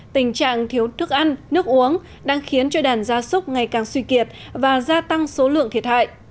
tình trạng thiếu thức ăn nước uống đang khiến cho đàn gia súc ngày càng suy kiệt và gia tăng số lượng thiệt hại